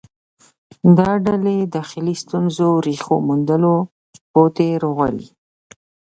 دا ډلې داخلي ستونزو ریښو موندلو پاتې راغلې